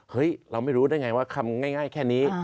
เราไม่รู้ได้ไงว่าคำง่ายแค่นี้